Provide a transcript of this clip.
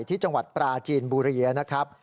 ที่จังหวัดปราจีนบุรีนะครับ